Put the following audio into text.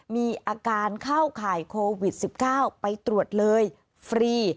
มีอาการเข้าข่ายโควิด๑๙ไปตรวจเลยฟรี